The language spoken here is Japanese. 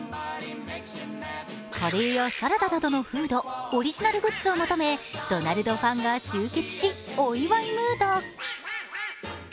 カレーやサラダなどのフード、オリジナルグッズを求めドナルドファンが集結し、お祝いムード。